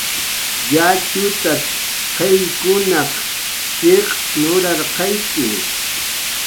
"Yatxutat"" qayllkunaq shiq' nurarqayki"